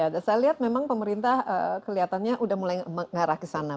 saya lihat memang pemerintah kelihatannya sudah mulai mengarah ke sana